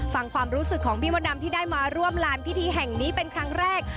ฟังความรู้สึกของพี่มดดำที่ได้มาร่วมลานพิธีแห่งนี้เป็นครั้งแรก